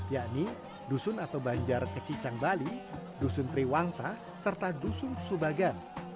yakni dusun atau banjar kecicang bali dusun triwangsa serta dusun subagan